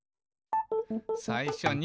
「さいしょに」